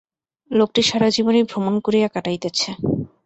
লোকটি সারা জীবনই ভ্রমণ করিয়া কাটাইতেছে।